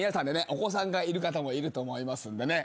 お子さんがいる方もいると思いますんでね。